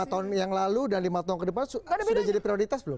lima tahun yang lalu dan lima tahun ke depan sudah jadi prioritas belum